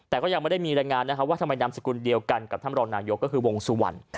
แต่ก็ยังไม่ได้มีรายงานนะครับว่าทำไมนามสกุลเดียวกันกับท่านรองนายกก็คือวงสุวรรณ